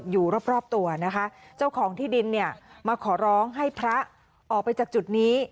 อยู่รอบรอบตัวนะคะเจ้าของที่ดินเนี่ยมาขอร้องให้พระออกไปจากจุดนี้